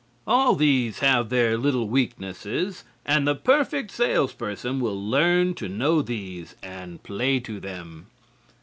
All these have their little weaknesses, and the perfect salesperson will learn to know these and play to them.